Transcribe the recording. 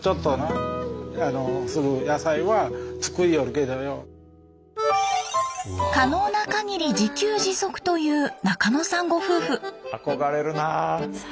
あとは可能なかぎり自給自足という中野さんご夫婦。